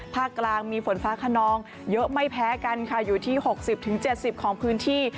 ภาคกลางมีฝนฟ้าขนองเยอะไม่แพ้กันค่ะอยู่ที่๖๐๗๐ของพื้นที่